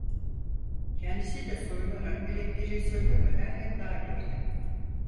Kendisi de soyunarak elektriği söndürmeden yatağa girdi.